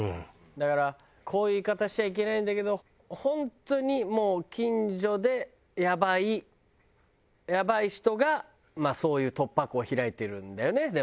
だからこういう言い方しちゃいけないんだけど本当にもう近所でやばいやばい人がまあそういう突破口を開いてるんだよね